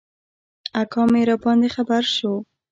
اکا مي راباندي خبر شو .